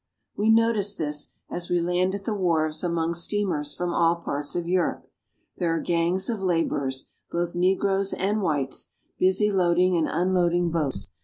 We notice this as we land at the wharves among steamers from all parts of Europe. There are gangs of laborers, both negroes and whites, busy loading and unloading boats.